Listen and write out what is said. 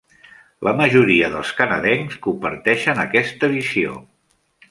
La majoria dels canadencs comparteixen aquesta visió.